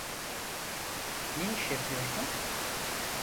Ne iş yapıyordun?